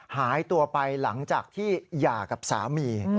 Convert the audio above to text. หายตัวไปหลังจากที่หย่ากับสามี